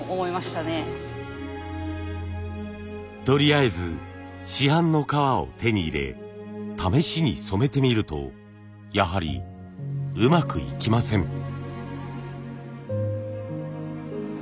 とりあえず市販の革を手に入れ試しに染めてみるとやはりうまくいきません。